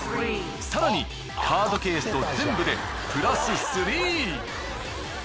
更にカードケースと全部でプラススリー！